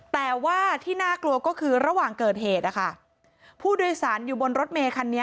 แต่ว่าที่น่ากลัวก็คือระหว่างเกิดเหตุนะคะผู้โดยสารอยู่บนรถเมคันนี้